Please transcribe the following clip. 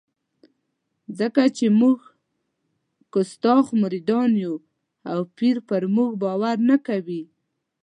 ځکه چې موږ کستاخ مریدان یو او پیر پر موږ باور نه کوي.